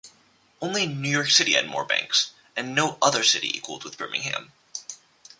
Only New York City had more banks and no other city equaled with Birmingham.